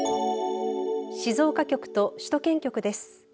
静岡局と首都圏局です。